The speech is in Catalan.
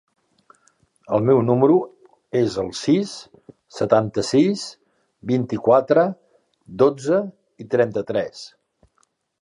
El meu número es el sis, setanta-sis, vint-i-quatre, dotze, trenta-tres.